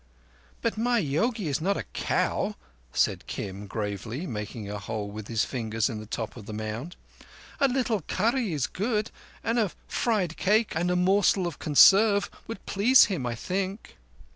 "But my yogi is not a cow," said Kim gravely, making a hole with his fingers in the top of the mound. "A little curry is good, and a fried cake, and a morsel of conserve would please him, I think."